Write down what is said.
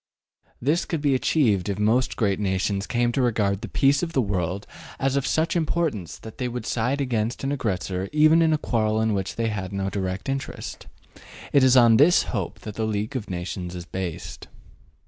This could be achieved if most great nations came to regard the peace of the world as of such importance that they would side against an aggressor even in a quarrel in which they had no direct interest. It is on this hope that the League of Nations is based.